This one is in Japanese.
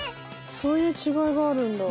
そういう違いがあるんだ。